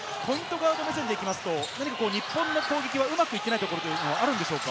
ガード目線でいきますと、日本の攻撃はうまくいってないところはあるんでしょうか。